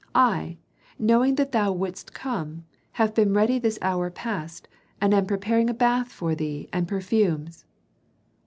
I, knowing that thou wouldst come, have been ready this hour past, and am preparing a bath for thee and perfumes."